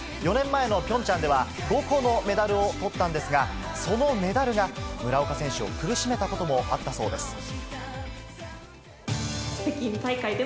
４年前の平昌では５個のメダルをとったんですがそのメダルが村岡選手を苦しめたこともあったそうです。